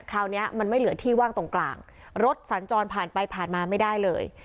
คราวนี้มันไม่เหลือที่ว่างตรงกลางรถสัญจรผ่านไปผ่านมาไม่ได้เลย